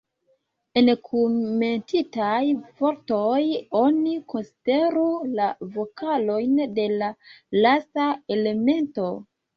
En kunmetitaj vortoj, oni konsideru la vokalojn de la lasta elemento.